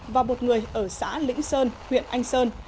và một người ở xã lĩnh sơn huyện anh sơn